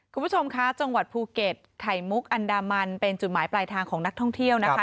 คุณผู้ชมคะจังหวัดภูเก็ตไข่มุกอันดามันเป็นจุดหมายปลายทางของนักท่องเที่ยวนะคะ